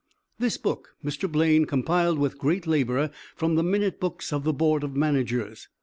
This book Mr. Blaine compiled with great labor from the minute books of the Board of Managers.